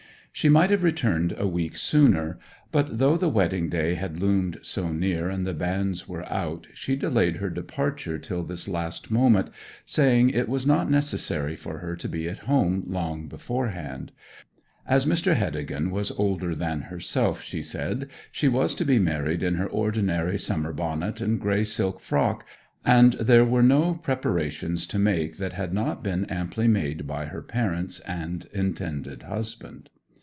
She might have returned a week sooner. But though the wedding day had loomed so near, and the banns were out, she delayed her departure till this last moment, saying it was not necessary for her to be at home long beforehand. As Mr. Heddegan was older than herself, she said, she was to be married in her ordinary summer bonnet and grey silk frock, and there were no preparations to make that had not been amply made by her parents and intended husband.